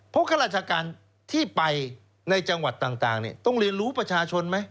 เพราะข้าราชการที่ไปในจังหวัดต่างต้องเรียนรู้ประชาชนไหม